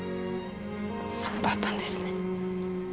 そうだったんですね。